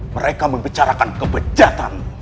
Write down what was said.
mereka membicarakan kebejatanmu